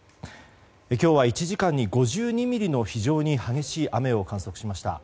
今日は１時間に５２ミリの非常に激しい雨を観測しました。